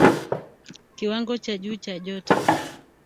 Kiwango cha juu cha joto